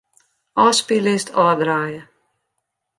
Ofspyllist ôfdraaie.